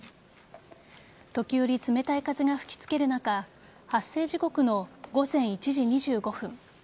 時折、冷たい風が吹き付ける中発生時刻の午前１時２５分。